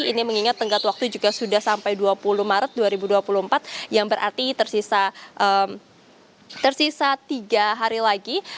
ini mengingat tenggat waktu juga sudah sampai dua puluh maret dua ribu dua puluh empat yang berarti tersisa tiga hari lagi